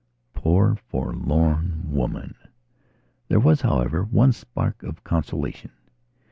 Poor forlorn woman!... There was, however, one spark of consolation.